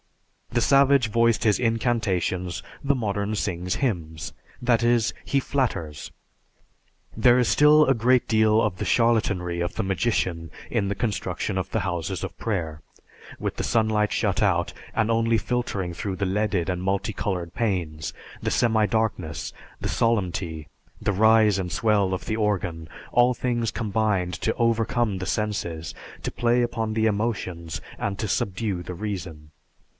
The savage voiced his incantations; the modern sings hymns, that is he flatters. There is still a great deal of the charlatanry of the magician in the construction of the houses of prayer, with the sunlight shut out and only filtering through the leaded and multi colored panes, the semidarkness, the solemnity, the rise and swell of the organ; all things combined to overcome the senses, to play upon the emotions, and to subdue the reason.